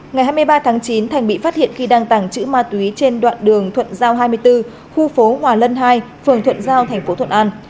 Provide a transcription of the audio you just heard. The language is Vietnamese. ngày hai mươi ba tháng chín thành bị phát hiện khi đang tàng trữ ma túy trên đoạn đường thuận giao hai mươi bốn khu phố hòa lân hai phường thuận giao thành phố thuận an